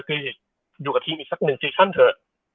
คืออยู่กับทีมอีกสักหนึ่งซีซั่นเถอะ